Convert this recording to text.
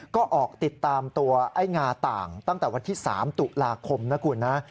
ก็ออกติดตามตัวไอ้งาต่างตั้งแต่วันที่๓ตุลาคมนะคุณนะ